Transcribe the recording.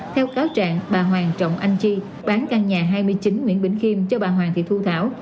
theo cáo trạng bà hoàng trọng anh chi bán căn nhà hai mươi chín nguyễn bình khiêm cho bà hoàng thị thu thảo